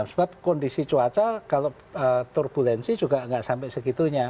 sebab kondisi cuaca kalau turbulensi juga nggak sampai segitunya